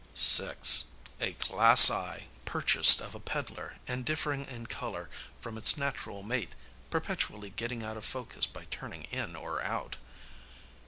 6. A glass eye, purchased of a peddler, and differing in color from its natural mate, perpetually getting out of focus by turning in or out.